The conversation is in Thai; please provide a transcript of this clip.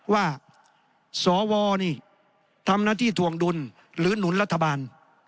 สวนี่ทำหน้าที่ถวงดุลหรือหนุนรัฐบาล